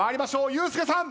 ユースケさん。